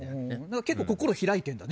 結構、心開いているんだね。